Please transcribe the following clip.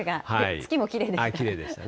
月もきれいでした。